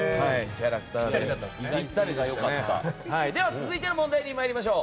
続いての問題に参りましょう。